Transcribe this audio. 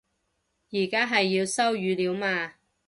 而家係要收語料嘛